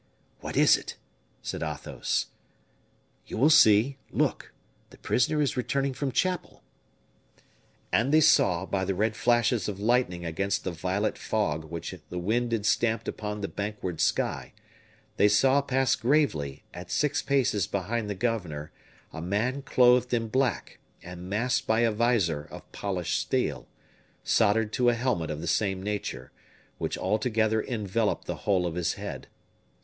"What is it?" said Athos. "You will see. Look. The prisoner is returning from chapel." And they saw, by the red flashes of lightning against the violet fog which the wind stamped upon the bank ward sky, they saw pass gravely, at six paces behind the governor, a man clothed in black and masked by a vizor of polished steel, soldered to a helmet of the same nature, which altogether enveloped the whole of his head.